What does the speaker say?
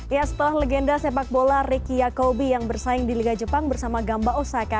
ya setelah legenda sepak bola ricky yakobi yang bersaing di liga jepang bersama gamba osaka